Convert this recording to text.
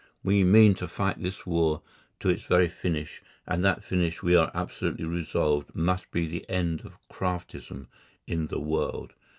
We mean to fight this war to its very finish, and that finish we are absolutely resolved must be the end of Kraftism in the world.